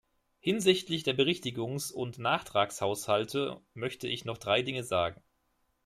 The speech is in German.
Hinsichtlich der Berichtigungsund Nachtragshaushalte möchte ich noch drei Dinge sagen.